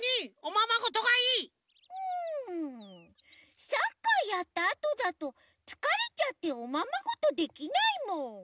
うんサッカーやったあとだとつかれちゃっておままごとできないもん。